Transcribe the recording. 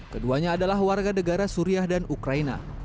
keduanya adalah warga negara suriah dan ukraina